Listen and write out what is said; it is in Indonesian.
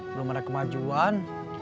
belum ada kemajuan